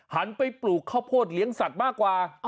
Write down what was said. หันไปปลูกข้าวโพดเลี้ยงสัตว์มากกว่า